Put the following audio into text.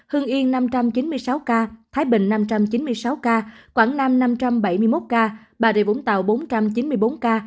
hương yên năm trăm chín mươi sáu ca thái bình năm trăm chín mươi sáu ca quảng nam năm trăm bảy mươi một ca bà rịa vũng tàu bốn trăm chín mươi bốn ca